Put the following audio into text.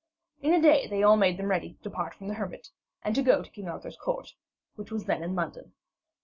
In a day they all made them ready to depart from the hermit, and to go to King Arthur's court, which was then in London.